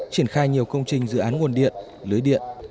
triển khai nhiều công trình dự án nguồn điện lưới điện